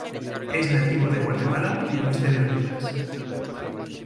Es nativo de Guatemala y oeste de Honduras.